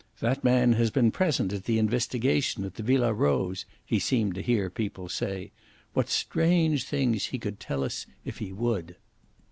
"That man has been present at the investigation at the Villa Rose," he seemed to hear people say. "What strange things he could tell us if he would!"